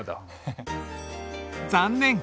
残念！